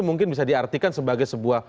mungkin bisa diartikan sebagai sebuah